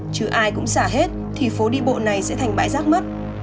chứ ai cũng xả hết thì phố đi bộ này sẽ thành bãi rác mất